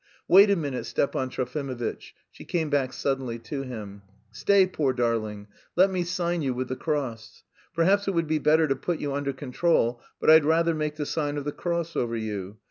"Wait a minute, Stepan Trofimovitch!" she came back suddenly to him. "Stay, poor darling, let me sign you with the cross. Perhaps, it would be better to put you under control, but I'd rather make the sign of the cross over you.